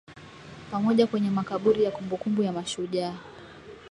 pamoja kwenye makaburi ya kumbukumbu ya mashujaa